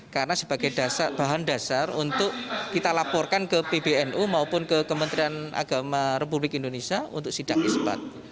karena sebagai bahan dasar untuk kita laporkan ke pbnu maupun ke kementerian agama republik indonesia untuk sidang ispat